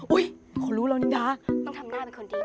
อุ้ยขอรู้แล้วนิดาต้องทำงานเป็นคนดีนะ